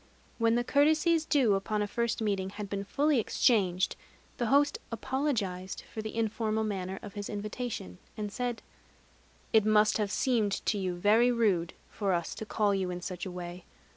When the courtesies due upon a first meeting had been fully exchanged, the host apologized for the informal manner of his invitation, and said: "It must have seemed to you very rude of us to call you in such a way.